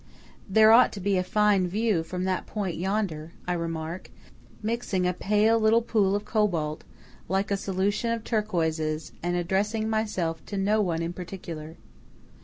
"There ought to be a fine view from that point yonder," I remark, mixing a pale little pool of cobalt, like a solution of turquoises, and addressing myself to no one in particular.